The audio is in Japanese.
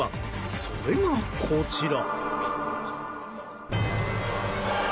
それが、こちら。